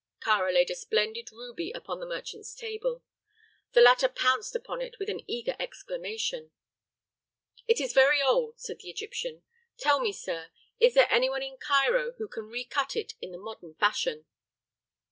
Kāra laid a splendid ruby upon the merchant's table. The latter pounced upon it with an eager exclamation. "It is very old," said the Egyptian. "Tell me, sir, is there any one in Cairo who can recut it in the modern fashion?"